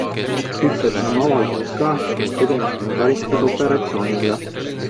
Ütlete oma avalduses ka, et tegemist on karistusoperatsiooniga.